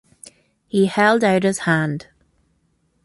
He held out his hand.